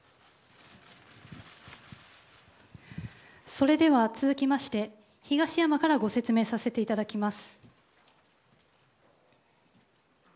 それでは続きまして東山からご説明させていただきます。